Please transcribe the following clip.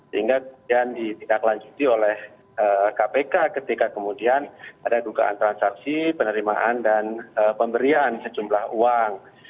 sehingga kemudian ditindaklanjuti oleh kpk ketika kemudian ada dugaan transaksi penerimaan dan pemberian sejumlah uang